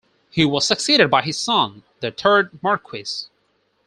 He was succeeded by his son, the third Marquess.